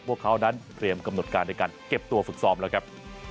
พวกเขานั้นเตรียมกำหนดการในการเก็บตัวฝึกซ้อมแล้วครับ